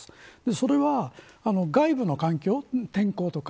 それは、外部の環境天候とか。